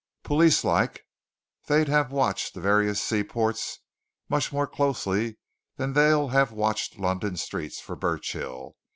Police like, they'll have watched the various seaports much more closely than they'll have watched London streets for Burchill.